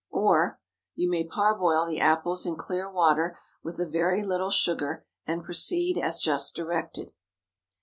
Or, You may parboil the apples in clear water, with a very little sugar, and proceed as just directed.